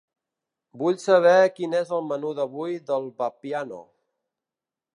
Vull saber quin és el menú d'avui del Vapiano.